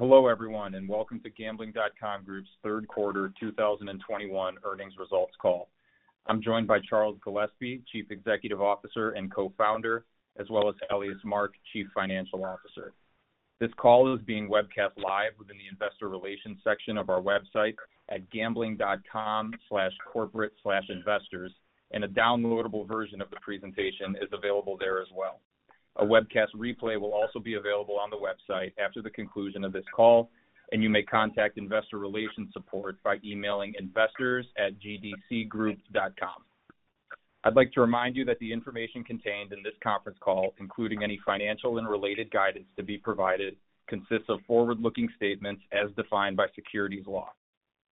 Hello, everyone, and welcome to Gambling.com Group's third quarter 2021 earnings results call. I'm joined by Charles Gillespie, Chief Executive Officer and Co-founder, as well as Elias Mark, Chief Financial Officer. This call is being webcast live within the investor relations section of our website at gambling.com/corporate/investors, and a downloadable version of the presentation is available there as well. A webcast replay will also be available on the website after the conclusion of this call, and you may contact investor relations support by emailing investors@gdcgroup.com. I'd like to remind you that the information contained in this conference call, including any financial and related guidance to be provided, consists of forward-looking statements as defined by securities law.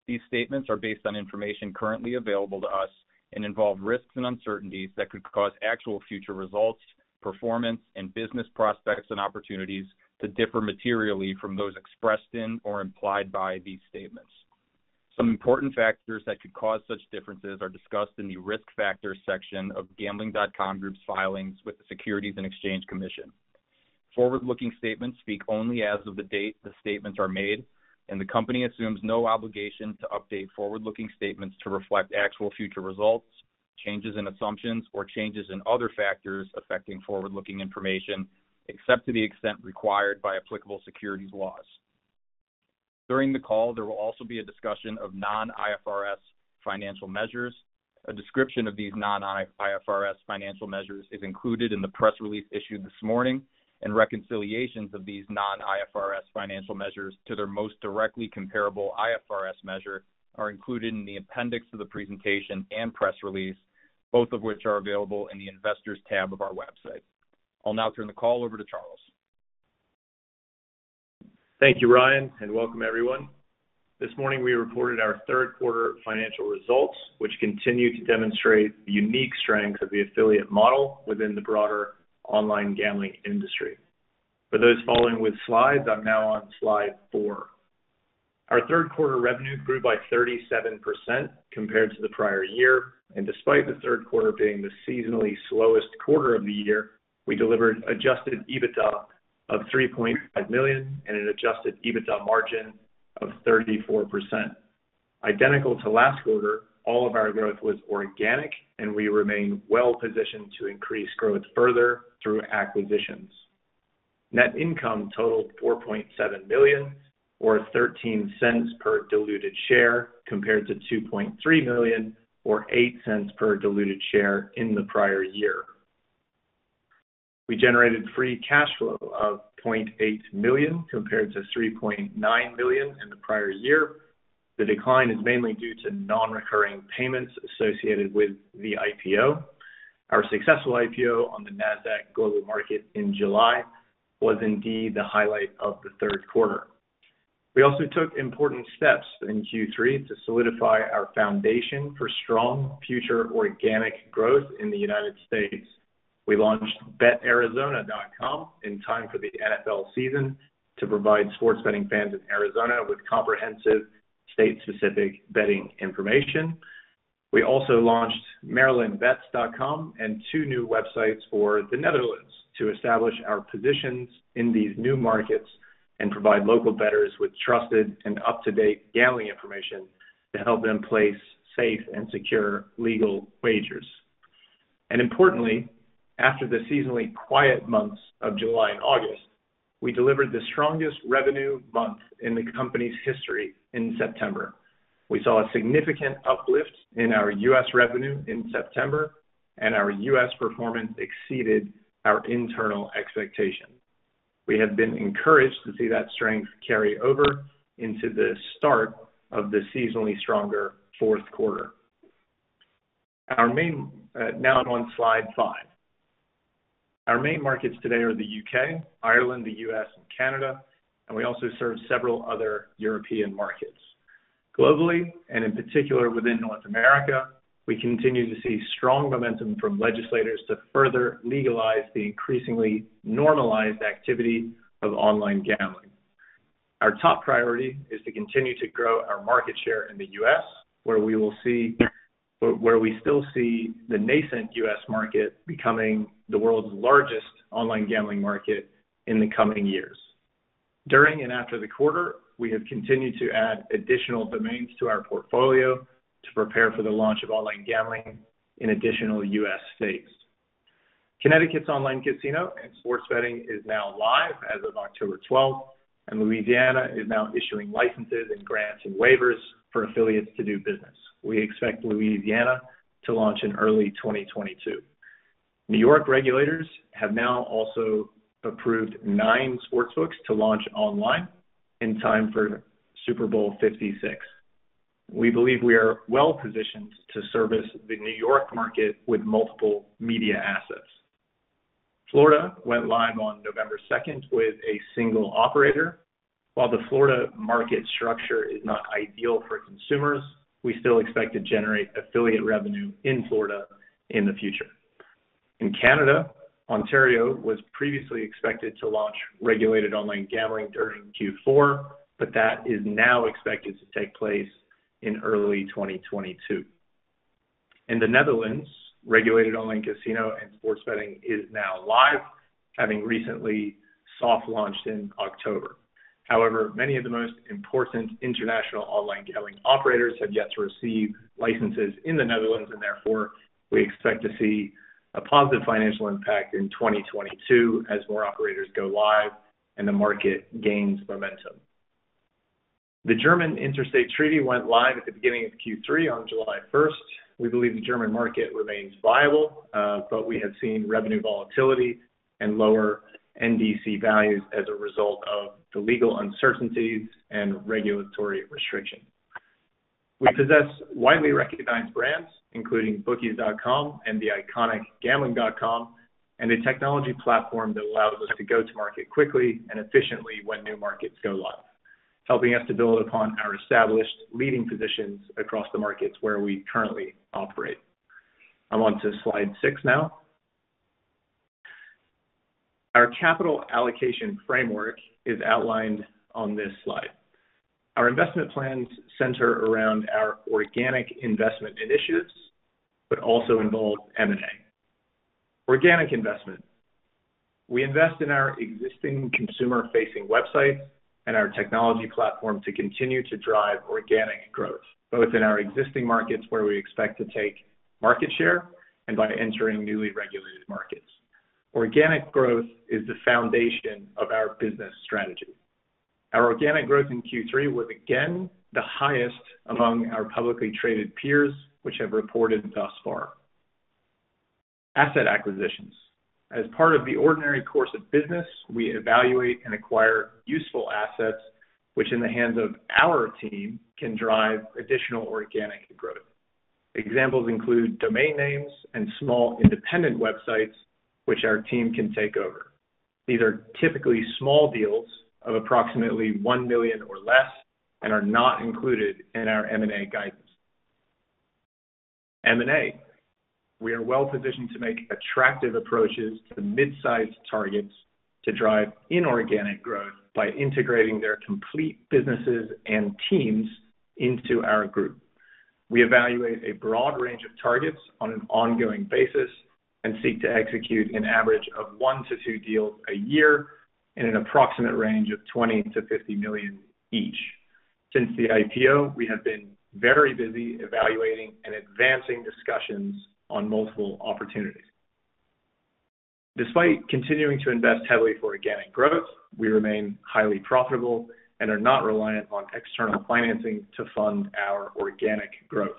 These statements are based on information currently available to us and involve risks and uncertainties that could cause actual future results, performance, and business prospects and opportunities to differ materially from those expressed in or implied by these statements. Some important factors that could cause such differences are discussed in the Risk Factors section of Gambling.com Group's filings with the Securities and Exchange Commission. Forward-looking statements speak only as of the date the statements are made, and the company assumes no obligation to update forward-looking statements to reflect actual future results, changes in assumptions, or changes in other factors affecting forward-looking information, except to the extent required by applicable securities laws. During the call, there will also be a discussion of non-IFRS financial measures. A description of these non-IFRS financial measures is included in the press release issued this morning, and reconciliations of these non-IFRS financial measures to their most directly comparable IFRS measure are included in the appendix of the presentation and press release, both of which are available in the Investors tab of our website. I'll now turn the call over to Charles. Thank you, Ryan, and welcome everyone. This morning, we reported our third quarter financial results, which continue to demonstrate the unique strength of the affiliate model within the broader online gambling industry. For those following with slides, I'm now on slide four. Our third quarter revenue grew by 37% compared to the prior year, and despite the third quarter being the seasonally slowest quarter of the year, we delivered adjusted EBITDA of $3.5 million and an adjusted EBITDA margin of 34%. Identical to last quarter, all of our growth was organic, and we remain well-positioned to increase growth further through acquisitions. Net income totaled $4.7 million, or $0.13 per diluted share, compared to $2.3 million, or $0.08 per diluted share in the prior year. We generated free cash flow of $0.8 million, compared to $3.9 million in the prior year. The decline is mainly due to non-recurring payments associated with the IPO. Our successful IPO on the Nasdaq Global Market in July was indeed the highlight of the third quarter. We also took important steps in Q3 to solidify our foundation for strong future organic growth in the United States. We launched betarizona.com in time for the NFL season to provide sports betting fans in Arizona with comprehensive state-specific betting information. We also launched marylandbets.com and two new websites for the Netherlands to establish our positions in these new markets and provide local bettors with trusted and up-to-date gambling information to help them place safe and secure legal wagers. Importantly, after the seasonally quiet months of July and August, we delivered the strongest revenue month in the company's history in September. We saw a significant uplift in our U.S. revenue in September, and our U.S. performance exceeded our internal expectations. We have been encouraged to see that strength carry over into the start of the seasonally stronger fourth quarter. Now I'm on slide five. Our main markets today are the U.K., Ireland, the U.S., and Canada, and we also serve several other European markets. Globally, and in particular within North America, we continue to see strong momentum from legislators to further legalize the increasingly normalized activity of online gambling. Our top priority is to continue to grow our market share in the U.S., where we still see the nascent U.S. market becoming the world's largest online gambling market in the coming years. During and after the quarter, we have continued to add additional domains to our portfolio to prepare for the launch of online gambling in additional U.S. states. Connecticut's online casino and sports betting is now live as of October 12, and Louisiana is now issuing licenses and grants and waivers for affiliates to do business. We expect Louisiana to launch in early 2022. New York regulators have now also approved nine sportsbooks to launch online in time for Super Bowl LVI. We believe we are well-positioned to service the New York market with multiple media assets. Florida went live on November 2 with a single operator. While the Florida market structure is not ideal for consumers, we still expect to generate affiliate revenue in Florida in the future. In Canada, Ontario was previously expected to launch regulated online gambling during Q4, but that is now expected to take place in early 2022. In the Netherlands, regulated online casino and sports betting is now live, having recently soft launched in October. However, many of the most important international online gambling operators have yet to receive licenses in the Netherlands, and therefore, we expect to see a positive financial impact in 2022 as more operators go live and the market gains momentum. The German Interstate Treaty went live at the beginning of Q3 on July 1. We believe the German market remains viable, but we have seen revenue volatility and lower NDC values as a result of the legal uncertainties and regulatory restrictions. We possess widely recognized brands including bookies.com and the iconic gambling.com, and a technology platform that allows us to go to market quickly and efficiently when new markets go live, helping us to build upon our established leading positions across the markets where we currently operate. I'm onto slide six now. Our capital allocation framework is outlined on this slide. Our investment plans center around our organic investment initiatives, but also involve M&A. Organic investment. We invest in our existing consumer-facing websites and our technology platform to continue to drive organic growth, both in our existing markets, where we expect to take market share and by entering newly regulated markets. Organic growth is the foundation of our business strategy. Our organic growth in Q3 was again the highest among our publicly traded peers, which have reported thus far. Asset acquisitions. As part of the ordinary course of business, we evaluate and acquire useful assets which in the hands of our team can drive additional organic growth. Examples include domain names and small independent websites which our team can take over. These are typically small deals of approximately $1 million or less and are not included in our M&A guidance. We are well-positioned to make attractive approaches to mid-sized targets to drive inorganic growth by integrating their complete businesses and teams into our group. We evaluate a broad range of targets on an ongoing basis and seek to execute an average of one to two deals a year in an approximate range of $20 million-$50 million each. Since the IPO, we have been very busy evaluating and advancing discussions on multiple opportunities. Despite continuing to invest heavily for organic growth, we remain highly profitable and are not reliant on external financing to fund our organic growth.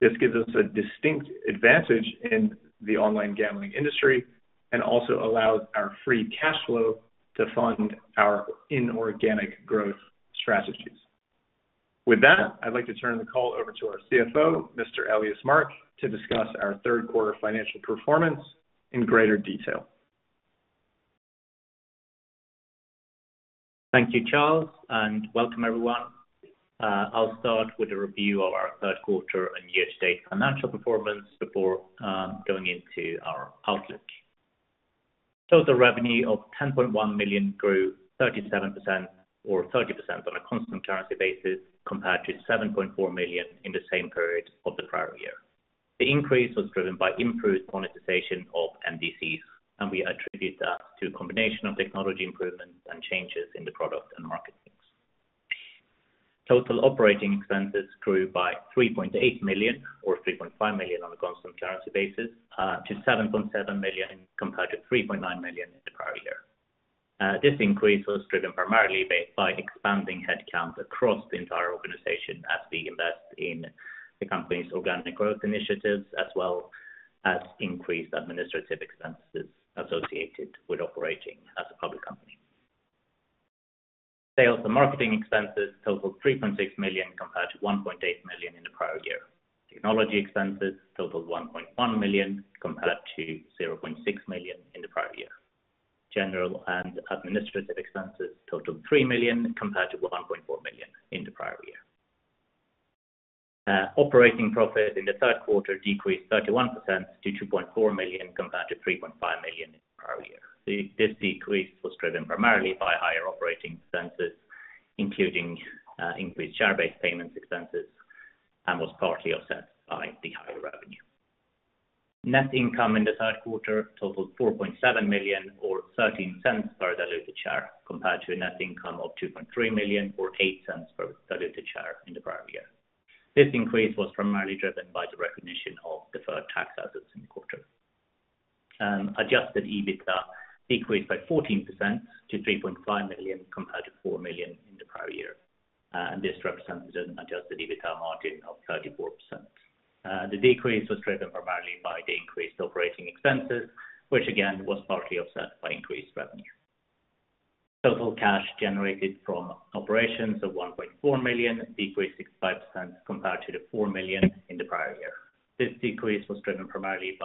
This gives us a distinct advantage in the online gambling industry and also allows our free cash flow to fund our inorganic growth strategies. With that, I'd like to turn the call over to our CFO, Mr. Elias Mark, to discuss our third quarter financial performance in greater detail. Thank you, Charles, and welcome everyone. I'll start with a review of our third quarter and year-to-date financial performance before going into our outlook. Total revenue of $10.1 million grew 37% or 30% on a constant currency basis compared to $7.4 million in the same period of the prior year. The increase was driven by improved monetization of NDCs, and we attribute that to a combination of technology improvements and changes in the product and market mix. Total operating expenses grew by $3.8 million, or $3.5 million on a constant currency basis, to $7.7 million, compared to $3.9 million in the prior year. This increase was driven primarily by expanding headcounts across the entire organization as we invest in the company's organic growth initiatives, as well as increased administrative expenses associated with operating as a public company. Sales and marketing expenses totaled $3.6 million, compared to $1.8 million in the prior year. Technology expenses totaled $1.1 million, compared to $0.6 million in the prior year. General and administrative expenses totaled $3 million, compared to $1.4 million in the prior year. Operating profit in the third quarter decreased 31% to $2.4 million, compared to $3.5 million in the prior year. This decrease was driven primarily by higher operating expenses, including increased share-based payments expenses, and was partly offset by the higher revenue. Net income in the third quarter totaled $4.7 million, or $0.13 per diluted share, compared to a net income of $2.3 million or $0.08 per diluted share in the prior year. This increase was primarily driven by the recognition of deferred tax assets in the quarter. Adjusted EBITDA decreased by 14% to $3.5 million, compared to $4 million in the prior year. This represents an adjusted EBITDA margin of 34%. The decrease was driven primarily by the increased operating expenses, which again was partly offset by increased revenue. Total cash generated from operations of $1.4 million decreased 65% compared to the $4 million in the prior year. This decrease was driven primarily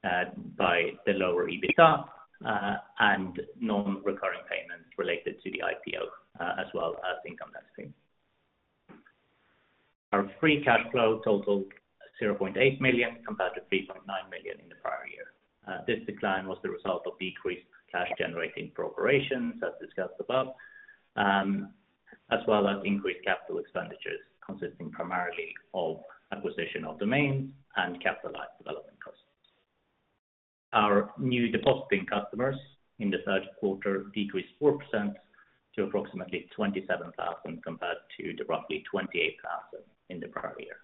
by the lower EBITDA and non-recurring payments related to the IPO, as well as income tax payments. Our free cash flow totaled $0.8 million, compared to $3.9 million in the prior year. This decline was the result of decreased cash generating operations as discussed above, as well as increased capital expenditures consisting primarily of acquisition of domains and capitalized development costs. Our new depositing customers in the third quarter decreased 4% to approximately 27,000 compared to the roughly 28,000 in the prior year.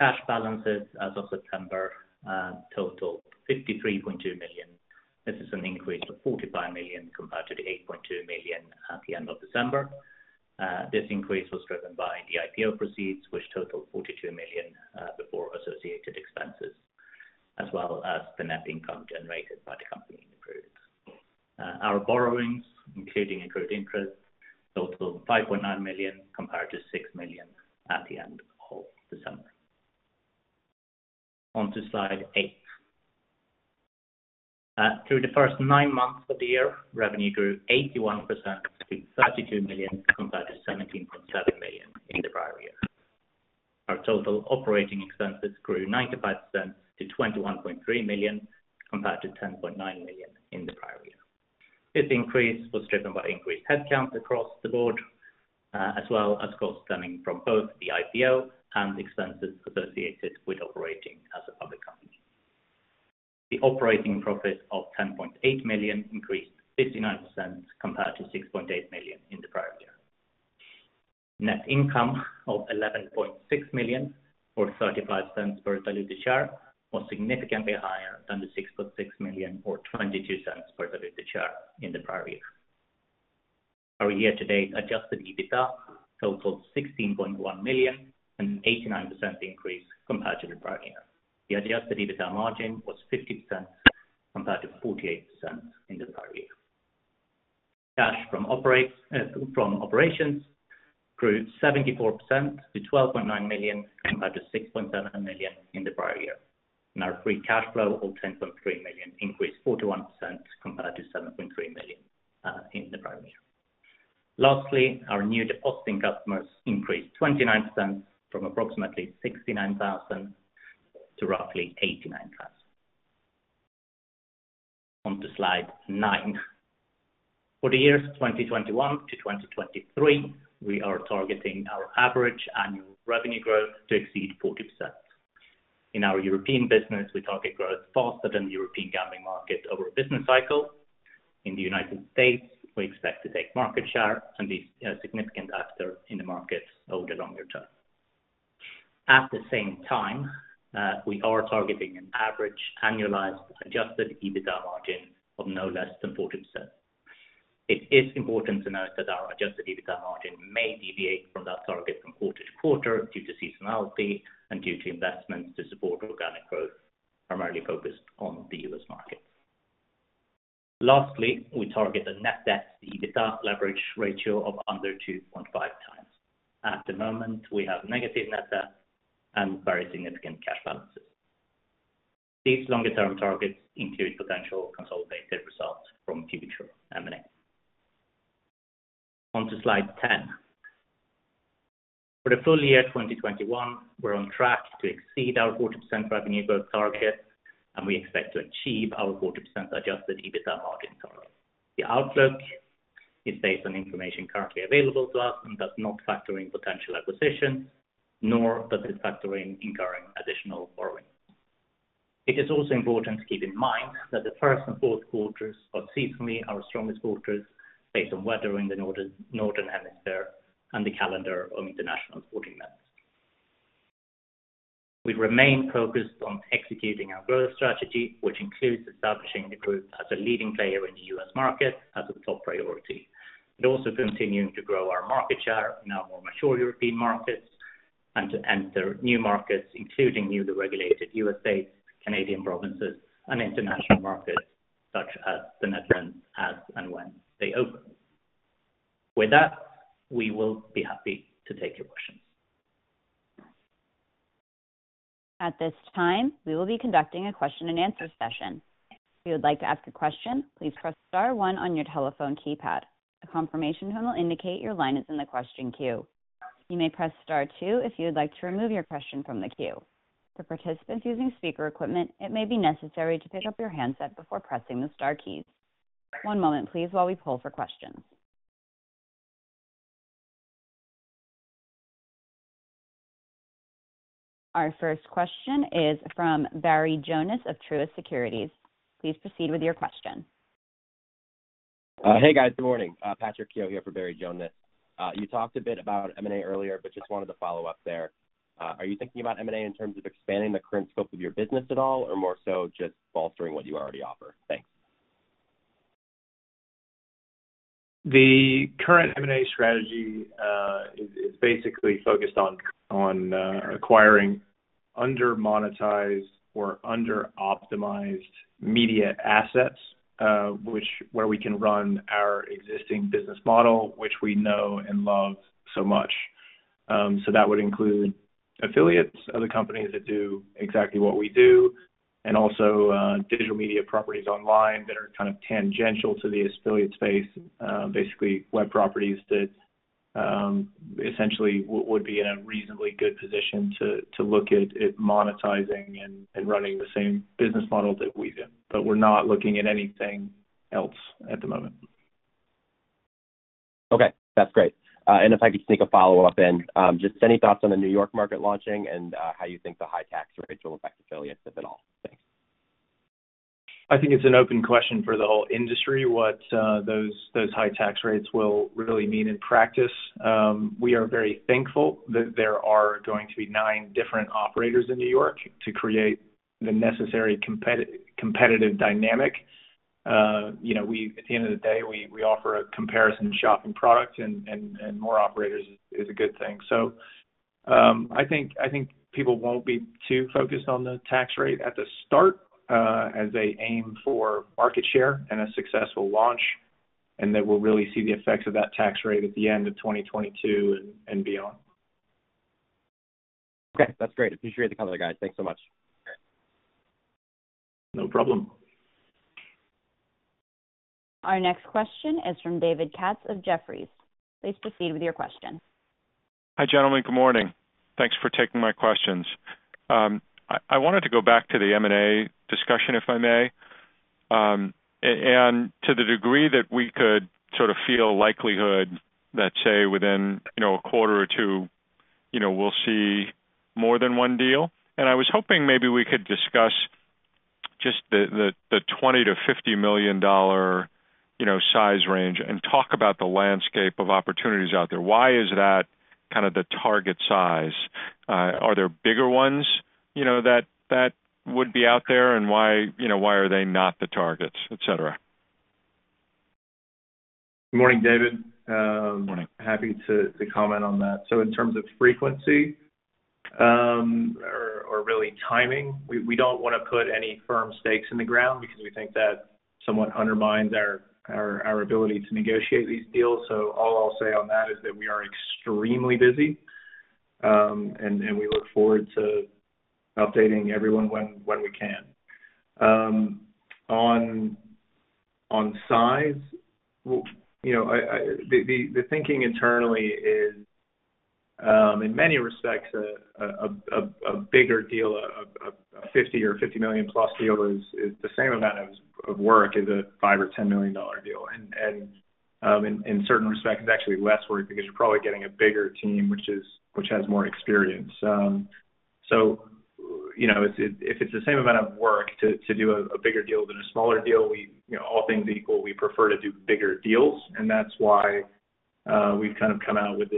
Cash balances as of September total $53.2 million. This is an increase of $45 million compared to the $8.2 million at the end of December. This increase was driven by the IPO proceeds, which totaled $42 million before associated expenses, as well as the net income generated by the company improved. Our borrowings, including accrued interest, total $5.9 million compared to $6 million at the end of December. On to slide eight. Through the first nine months of the year, revenue grew 81% to $32 million compared to $17.7 million in the prior year. Our total operating expenses grew 95% to $21.3 million, compared to $10.9 million in the prior year. This increase was driven by increased headcounts across the board, as well as costs stemming from both the IPO and expenses associated with operating as a public company. The operating profit of $10.8 million increased 59% compared to $6.8 million in the prior year. Net income of $11.6 million, or $0.35 per diluted share, was significantly higher than the $6.6 million or $0.22 per diluted share in the prior year. Our year-to-date adjusted EBITDA totaled $16.1 million, an 89% increase compared to the prior year. The adjusted EBITDA margin was 50% compared to 48% in the prior year. Cash from operations grew 74% to $12.9 million compared to $6.7 million in the prior year. Our free cash flow of $10.3 million increased 41% compared to $7.3 million in the prior year. Lastly, our new depositing customers increased 29% from approximately 69,000 to roughly 89,000. On to slide nine. For the years 2021-2023, we are targeting our average annual revenue growth to exceed 40%. In our European business, we target growth faster than the European gambling market over a business cycle. In the United States, we expect to take market share and be a significant actor in the market over the longer term. At the same time, we are targeting an average annualized adjusted EBITDA margin of no less than 40%. It is important to note that our adjusted EBITDA margin may deviate from that target from quarter to quarter due to seasonality and due to investments to support organic growth, primarily focused on the U.S. market. Lastly, we target the net debt to EBITDA leverage ratio of under 2.5x. At the moment, we have negative net debt and very significant cash balances. These longer-term targets include potential consolidated results from future M&A. On to slide 10. For the full year 2021, we're on track to exceed our 40% revenue growth target, and we expect to achieve our 40% adjusted EBITDA margin target. The outlook is based on information currently available to us and does not factor in potential acquisition, nor does it factor in incurring additional borrowings. It is also important to keep in mind that the first and fourth quarters are seasonally our strongest quarters based on weather in the Northern Hemisphere and the calendar of international sporting events. We remain focused on executing our growth strategy, which includes establishing the group as a leading player in the U.S. market as a top priority. Also continuing to grow our market share in our more mature European markets and to enter new markets, including newly regulated USA, Canadian provinces and international markets such as the Netherlands as and when they open. With that, we will be happy to take your questions. At this time, we will be conducting a question and answer session. If you would like to ask a question, please press star one on your telephone keypad. A confirmation tone will indicate your line is in the question queue. You may press star two if you would like to remove your question from the queue. For participants using speaker equipment, it may be necessary to pick up your handset before pressing the star keys. One moment, please, while we poll for questions. Our first question is from Barry Jonas of Truist Securities. Please proceed with your question. Hey, guys. Good morning. Patrick Keough here for Barry Jonas. You talked a bit about M&A earlier, but just wanted to follow up there. Are you thinking about M&A in terms of expanding the current scope of your business at all or more so just bolstering what you already offer? Thanks. The current M&A strategy is basically focused on acquiring under-monetized or under-optimized media assets, where we can run our existing business model, which we know and love so much. That would include affiliates, other companies that do exactly what we do, and also digital media properties online that are kind of tangential to the affiliate space, basically web properties that Essentially would be in a reasonably good position to look at monetizing and running the same business model that we do. We're not looking at anything else at the moment. Okay, that's great. If I could sneak a follow-up in, just any thoughts on the New York market launching and how you think the high tax rate will affect affiliates, if at all? Thanks. I think it's an open question for the whole industry, what those high tax rates will really mean in practice. We are very thankful that there are going to be nine different operators in New York to create the necessary competitive dynamic. You know, at the end of the day, we offer a comparison shopping product and more operators is a good thing. I think people won't be too focused on the tax rate at the start, as they aim for market share and a successful launch, and then we'll really see the effects of that tax rate at the end of 2022 and beyond. Okay, that's great. Appreciate the color, guys. Thanks so much. No problem. Our next question is from David Katz of Jefferies. Please proceed with your question. Hi, gentlemen. Good morning. Thanks for taking my questions. I wanted to go back to the M&A discussion, if I may. To the degree that we could sort of feel likelihood that, say, within, you know, a quarter or two, you know, we'll see more than one deal. I was hoping maybe we could discuss just the $20 million-$50 million size range and talk about the landscape of opportunities out there. Why is that kind of the target size? Are there bigger ones, you know, that would be out there? Why are they not the targets, et cetera? Good morning, David. Good morning. Happy to comment on that. In terms of frequency, or really timing, we don't wanna put any firm stakes in the ground because we think that somewhat undermines our ability to negotiate these deals. All I'll say on that is that we are extremely busy, and we look forward to updating everyone when we can. On size, you know, the thinking internally is, in many respects a bigger deal, a $50 million+ deal is the same amount of work as a $5- or $10 million-dollar deal. In certain respects, it's actually less work because you're probably getting a bigger team, which has more experience. You know, if it's the same amount of work to do a bigger deal than a smaller deal, you know, all things equal, we prefer to do bigger deals, and that's why we've kind of come out with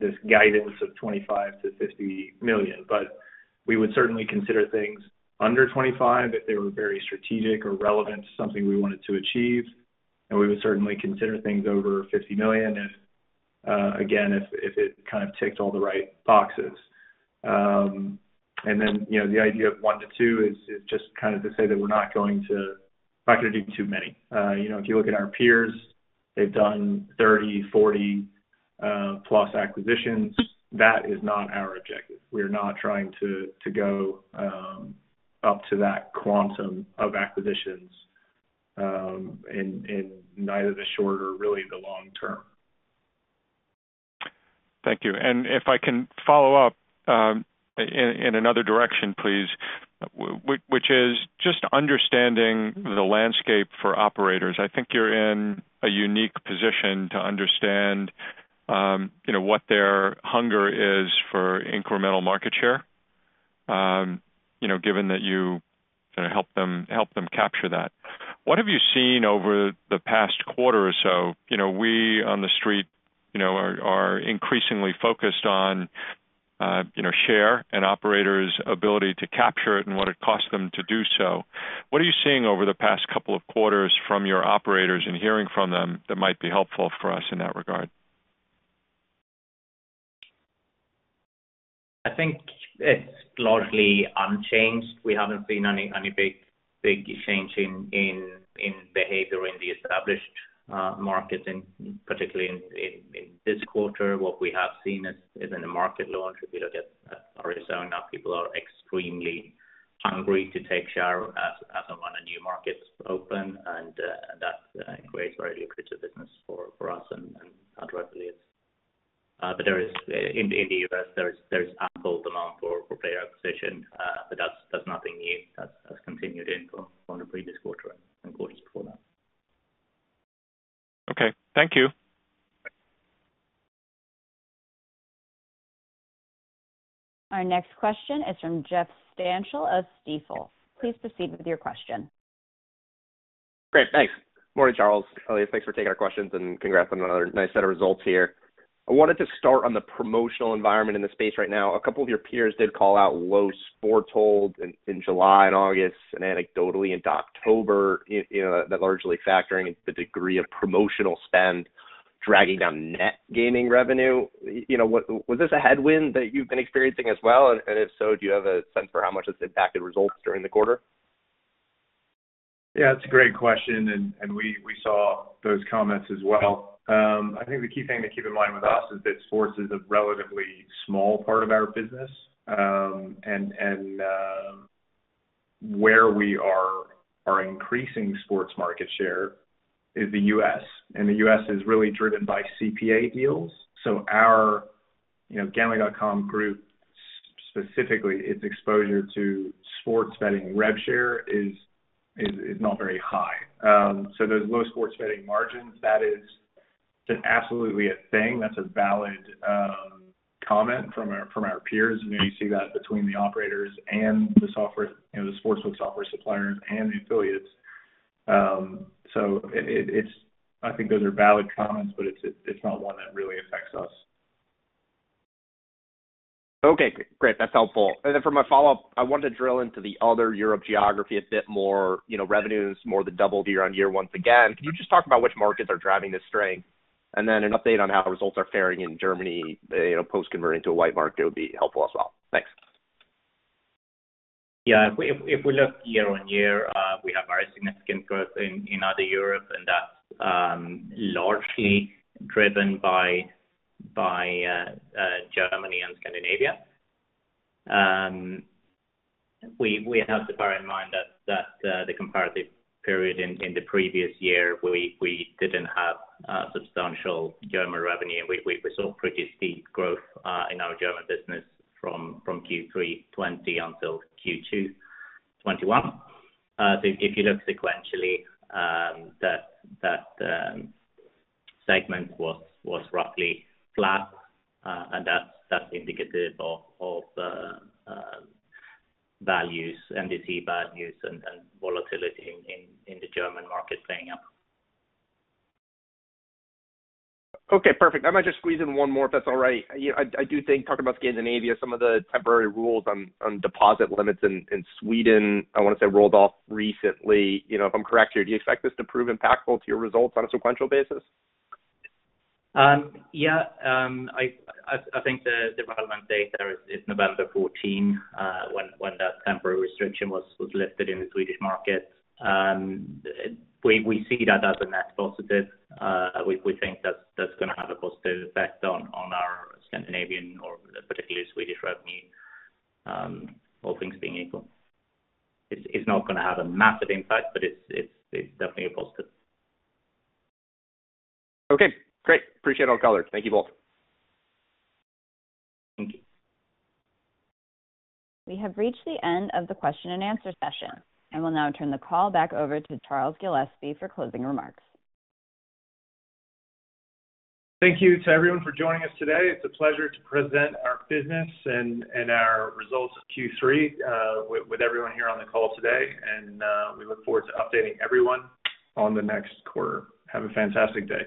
this guidance of $25 million-$50 million. We would certainly consider things under $25 million if they were very strategic or relevant to something we wanted to achieve. We would certainly consider things over $50 million if again, if it kind of ticked all the right boxes. Then, you know, the idea of one to two is just kind of to say that we're not gonna do too many. You know, if you look at our peers, they've done 30+, 40+, acquisitions. That is not our objective. We're not trying to go up to that quantum of acquisitions, in neither the short or really the long term. Thank you. If I can follow up in another direction, please, which is just understanding the landscape for operators. I think you're in a unique position to understand, you know, what their hunger is for incremental market share, you know, given that you help them capture that. What have you seen over the past quarter or so? You know, we on The Street, you know, are increasingly focused on, you know, share, an operator's ability to capture it and what it costs them to do so. What are you seeing over the past couple of quarters from your operators and hearing from them that might be helpful for us in that regard? I think it's largely unchanged. We haven't seen any big change in behavior in the established markets, particularly in this quarter. What we have seen is in the market launch. If you look at Arizona, people are extremely hungry to take share as soon as a new market opens, and that creates very lucrative business for us and our affiliates. But there is in the U.S., there is ample demand for player acquisition. But that's nothing new. That's continued from the previous quarter and quarters before that. Okay. Thank you. Our next question is from Jeff Stantial of Stifel. Please proceed with your question. Great. Thanks. Morning, Charles. Elias, thanks for taking our questions, and congrats on another nice set of results here. I wanted to start on the promotional environment in the space right now. A couple of your peers did call out low sports hold in July and August and anecdotally into October. You know, that largely factoring the degree of promotional spend dragging down net gaming revenue. You know, was this a headwind that you've been experiencing as well? And if so, do you have a sense for how much it's impacted results during the quarter? Yeah, it's a great question. We saw those comments as well. I think the key thing to keep in mind with us is that sports is a relatively small part of our business. Where we are increasing sports market share is the U.S., and the U.S. is really driven by CPA deals. Our, you know, Gambling.com Group, specifically, its exposure to sports betting rev share is not very high. Those low sports betting margins, that is absolutely a thing. That's a valid comment from our peers. You know, you see that between the operators and the software, you know, the sportsbook software suppliers and the affiliates. I think those are valid comments, but it's not one that really affects us. Okay, great. That's helpful. For my follow-up, I wanted to drill into the other European geography a bit more, you know, revenues more than doubled year-over-year once again. Can you just talk about which markets are driving this strength? An update on how results are faring in Germany, you know, post converting to a white market would be helpful as well. Thanks. Yeah. If we look year-over-year, we have very significant growth in other Europe, and that's largely driven by Germany and Scandinavia. We have to bear in mind that the comparative period in the previous year, we didn't have substantial German revenue. We saw pretty steep growth in our German business from Q3 2020 until Q2 2021. If you look sequentially, that segment was roughly flat, and that's indicative of NDC values and volatility in the German market playing out. Okay, perfect. I might just squeeze in one more, if that's all right. You know, I do think talking about Scandinavia, some of the temporary rules on deposit limits in Sweden, I wanna say rolled off recently, you know, if I'm correct here. Do you expect this to prove impactful to your results on a sequential basis? Yeah. I think the relevant date there is November 14, when that temporary restriction was lifted in the Swedish market. We see that as a net positive. We think that's gonna have a positive effect on our Scandinavian or particularly Swedish revenue, all things being equal. It's definitely a positive. Okay, great. Appreciate all the color. Thank you both. Thank you. We have reached the end of the question-and-answer session and will now turn the call back over to Charles Gillespie for closing remarks. Thank you to everyone for joining us today. It's a pleasure to present our business and our results of Q3 with everyone here on the call today. We look forward to updating everyone on the next quarter. Have a fantastic day.